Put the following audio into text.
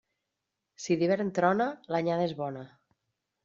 Si d'hivern trona, l'anyada és bona.